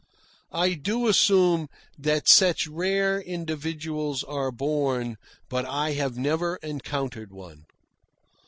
I do assume that such rare individuals are born, but I have never encountered one.